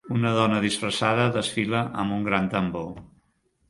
Una dona disfressada desfila amb un gran tambor.